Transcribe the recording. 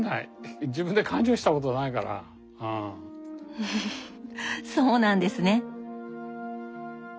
フフフそうなんですね！